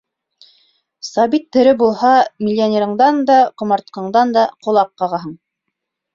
Сабит тере булһа, миллионерыңдан да, ҡомартҡыңдан да ҡолаҡ ҡағаһың!